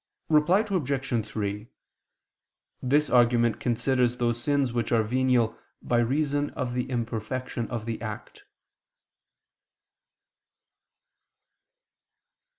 Reply Obj. 3: This argument considers those sins which are venial by reason of the imperfection of the act.